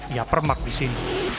ia permak di sini